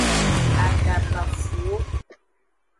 Adabafuwo.